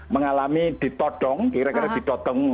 mengalami ditodong kira kira ditong